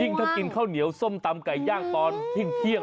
ถ้ากินข้าวเหนียวส้มตำไก่ย่างตอนเที่ยง